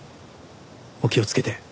お気をつけて。